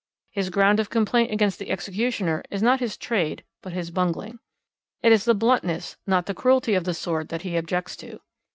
His ground of complaint against the Executioner is not his trade but his bungling. It is the bluntness not the cruelty of the sword that he objects to.